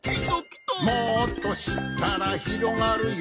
「もっとしったらひろがるよ」